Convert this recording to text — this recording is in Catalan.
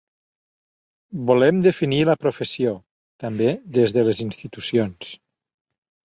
Volem definir la professió, també des de les institucions.